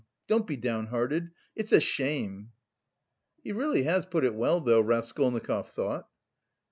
Don't be downhearted. It's a shame!" "He really has put it well, though," Raskolnikov thought.